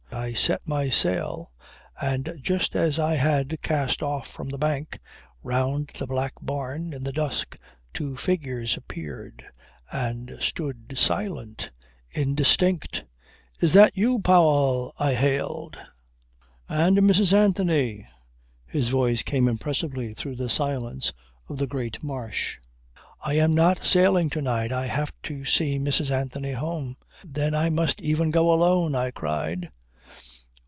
I set my sail and just as I had cast off from the bank, round the black barn, in the dusk, two figures appeared and stood silent, indistinct. "Is that you, Powell?" I hailed. "And Mrs. Anthony," his voice came impressively through the silence of the great marsh. "I am not sailing to night. I have to see Mrs. Anthony home." "Then I must even go alone," I cried.